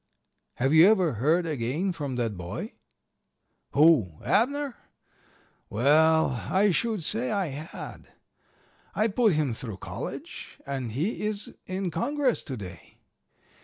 "Have you ever heard again from that boy?" "Who, Abner? Well, I should say I had. I put him through college, and he is in Congress to day.